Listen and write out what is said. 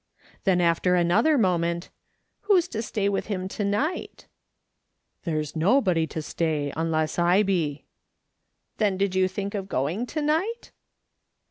Then after another moment, " Who's to stay with him to night ?"" There's nobody to stay unless I be." " Then did you think of going to night